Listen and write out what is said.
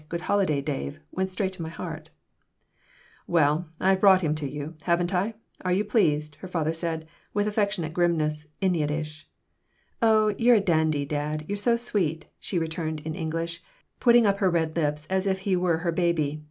Good holiday, Dave!" went straight to my heart "Well, I've brought him to you, haven't I? Are you pleased?" her father said, with affectionate grimness, in Yiddish "Oh, you're a dandy dad. You're just sweet," she returned, in English, putting up her red lips as if he were her baby.